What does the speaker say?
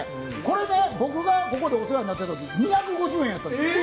僕がここでお世話になってた時は２５０円やったんです。